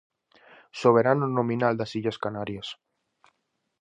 Soberano nominal das Illas Canarias.